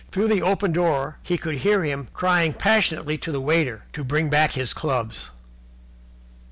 Through the open door he could hear him crying passionately to the waiter to bring back his clubs.